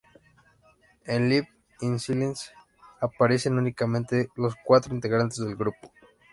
En "Leave in Silence" aparecen únicamente los cuatro integrantes del grupo.